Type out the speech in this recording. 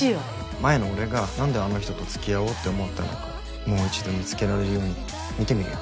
前の俺がなんであの人とつきあおうって思ったのかもう一度見つけられるように見てみるよ。